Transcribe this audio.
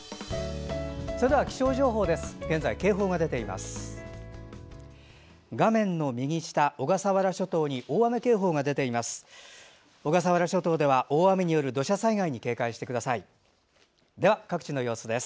それでは気象情報です。